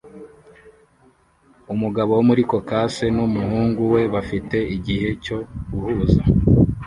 Umugabo wo muri Caucase numuhungu we bafite igihe cyo guhuza